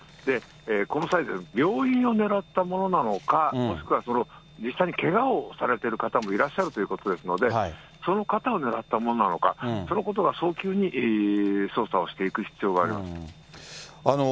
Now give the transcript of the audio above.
この際、病院を狙ったものなのか、もしくは実際にけがをされている方もいらっしゃるということですので、その方を狙ったものなのか、そのことは早急に捜査をしていく必要があります。